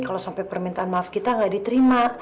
kalau sampai permintaan maaf kita nggak diterima